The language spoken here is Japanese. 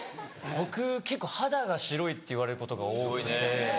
僕結構肌が白いって言われることが多くて。